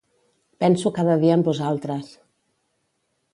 Penso cada dia en vosaltres.